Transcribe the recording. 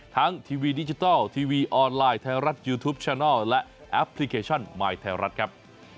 ทีวีดิจิทัลทีวีออนไลน์ไทยรัฐยูทูปชนัลและแอปพลิเคชันมายไทยรัฐครับ